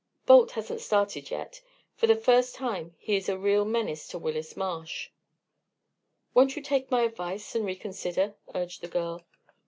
"Balt hasn't started yet. For the first time he is a real menace to Willis Marsh." "Won't you take my advice and reconsider?" urged the girl.